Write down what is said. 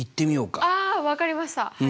あ分かりました。